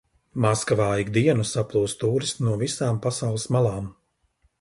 Maskavā ik dienu saplūst tūristi no visām pasaules malām.